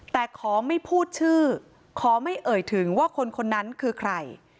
แต่ขอไม่พูดชื่อขอไม่เอ่ยถึงว่าคนคนนั้นคือใคร